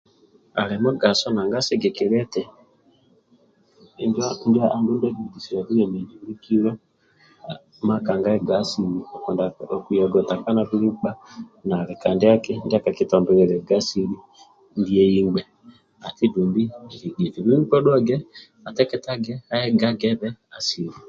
Ali mugaso nanga sigikilia eti injo andulu ndia akikibikisiliaga bulemezi bulikilo makanega ega asili nanga okuyaga otakana buli nkpa nali kendiaki ndia kakitombilia asili ndie ingbe ati dumbi nikigia eti buli nkpa odhuwe atekete aegagebe asili